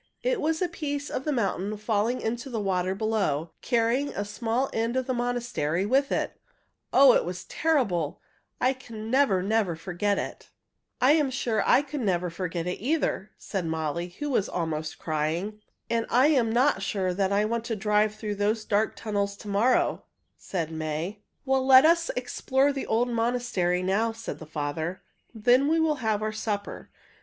It was a piece of the mountain falling into the water below, carrying a small end of the monastery with it. Oh, it was terrible! I can never, never forget it!" [Illustration: "I'm not sure that I want to drive through those dark tunnels"] "I'm sure I never could forget it, either," said Molly, who was almost crying. "And I'm not sure that I want to drive through those dark tunnels to morrow," said May. "Well, let us explore the old monastery now," said their father. "Then we will have our supper.